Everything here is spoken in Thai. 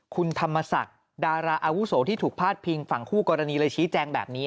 คุณธรรมศักดิ์ดาราอาวุโสที่ถูกพาดพิงฝั่งคู่กรณีเลยชี้แจงแบบนี้